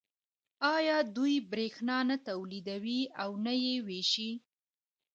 آیا دوی بریښنا نه تولیدوي او نه یې ویشي؟